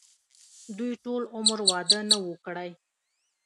دوي ټول عمر وادۀ نۀ وو کړے